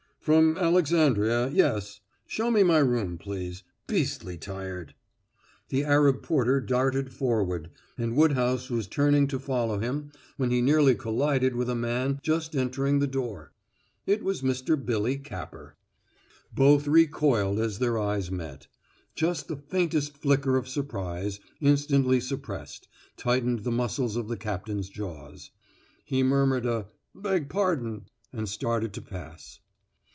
"From Alexandria, yes. Show me my room, please. Beastly tired." The Arab porter darted forward, and Woodhouse was turning to follow him when he nearly collided with a man just entering the street door. It was Mr. Billy Capper. Both recoiled as their eyes met. Just the faintest flicker of surprise, instantly suppressed, tightened the muscles of the captain's jaws. He murmured a "Beg pardon" and started to pass.